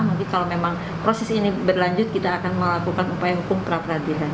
mungkin kalau memang proses ini berlanjut kita akan melakukan upaya hukum perapradilan